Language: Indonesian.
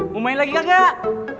mau main lagi gak